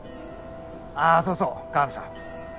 ああそうそう鏡さん